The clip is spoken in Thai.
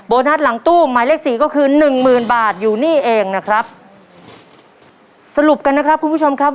นัสหลังตู้หมายเลขสี่ก็คือหนึ่งหมื่นบาทอยู่นี่เองนะครับสรุปกันนะครับคุณผู้ชมครับ